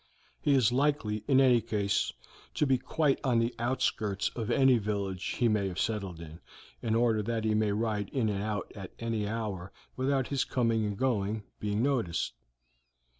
He is likely, in any case, to be quite on the outskirts of any village he may have settled in, in order that he may ride in and out at any hour without his coming and going being noticed."